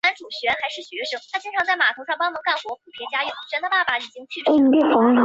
佛罗里达州的县是州政府的分支。